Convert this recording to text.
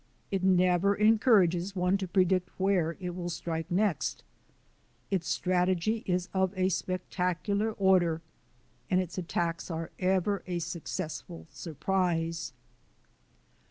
It never encourages one to predict where it will strike next. Its strategy is of a spectacular order and its attacks are ever a successful surprise.